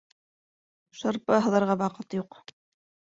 Шырпы һыҙырға ваҡыт юҡ.